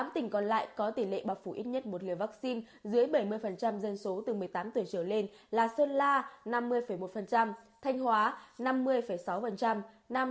tám tỉnh còn lại có tỷ lệ bao phủ ít nhất một liều vắc xin cho bảy mươi tám mươi dân số từ một mươi tám tuổi trở lên là sơn la năm mươi một thanh hóa năm mươi sáu nam định năm mươi chín ba nghệ an sáu mươi một cao bằng sáu mươi năm ba